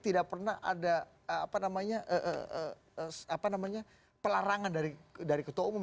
tidak pernah ada pelarangan dari ketua umum